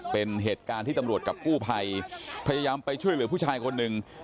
เป็นเหตุการณ์ที่ตำรวจกับกู้ภัยพยายามไปช่วยเหลือผู้ชายคนหนึ่ง